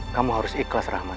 kamu harus ikhlas rahman